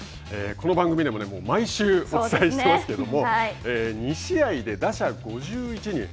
この番組でも毎週お伝えしてますけど２試合で打者５１人。